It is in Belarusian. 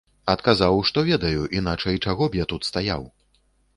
Адказаў, што ведаю, іначай чаго б я тут стаяў.